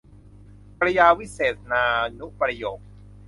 กริยาวิเศษณานุประโยค